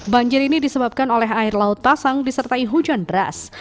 banjir ini disebabkan oleh air laut pasang disertai hujan deras